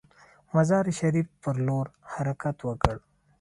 مزار شریف پر لور حرکت وکړ.